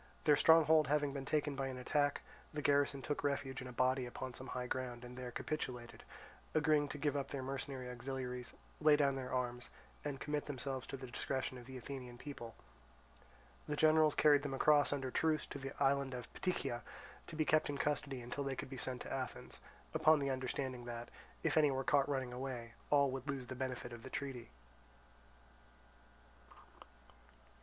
Their stronghold having been taken by an attack, the garrison took refuge in a body upon some high ground and there capitulated, agreeing to give up their mercenary auxiliaries, lay down their arms, and commit themselves to the discretion of the Athenian people. The generals carried them across under truce to the island of Ptychia, to be kept in custody until they could be sent to Athens, upon the understanding that, if any were caught running away, all would lose the benefit of the treaty.